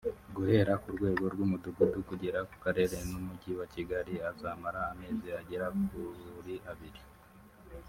guhera ku rwego rw’umudugudu kugera ku karere n’umujyi wa Kigali azamara amezi agera kuri abiri